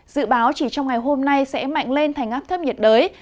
dự báo chỉ trong ngày hôm nay sẽ mạnh lên thành áp thấp nhiệt đới